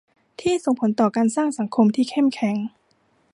ที่ส่งผลต่อการสร้างสังคมที่เข้มแข็ง